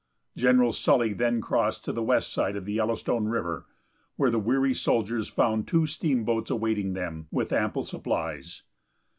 General Sully then crossed to the west side of the Yellowstone river, where the weary soldiers found two steamboats awaiting them, with ample supplies.